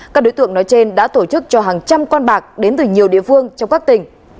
các đối tượng nói trên đã tổ chức cho hàng trăm con bạc đến từ nhiều địa phương trong các tỉnh